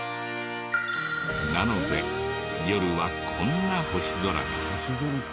なので夜はこんな星空が。